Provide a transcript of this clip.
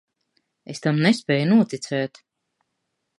Es tam nespēju noticēt.